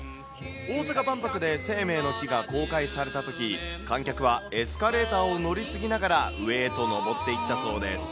大阪万博で生命の樹が公開されたとき、観客はエスカレーターを乗り継ぎながら、上へと上っていったそうです。